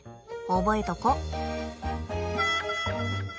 覚えとこ。